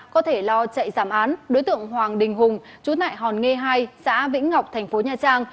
có thể lo chạy giảm án đối tượng hoàng đình hùng chú tại hòn nghê hai xã vĩnh ngọc thành phố nha trang